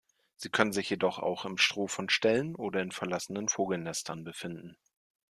Sie können sich jedoch auch im Stroh von Ställen oder in verlassenen Vogelnestern befinden.